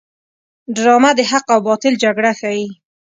ډرامه د حق او باطل جګړه ښيي